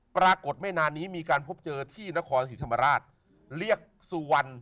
ปรากฏไม่นานนี้มีการพบเจอที่นครศรีธรรมราชเรียกสุวรรณ